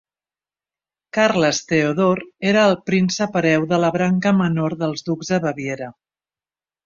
Carles Teodor era el príncep hereu de la branca menor dels ducs a Baviera.